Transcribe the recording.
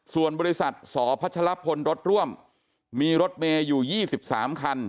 ส่วนบริษัทสพัชลพลรถร่วมมีรถเมย์อยู่๒๓คัน